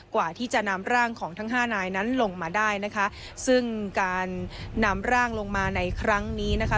กว่าที่จะนำร่างของทั้งห้านายนั้นลงมาได้นะคะซึ่งการนำร่างลงมาในครั้งนี้นะคะ